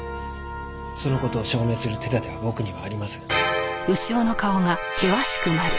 その事を証明する手立ては僕にはありません。